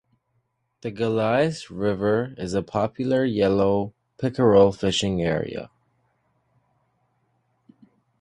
The Goulais River is a popular yellow pickerel fishing area.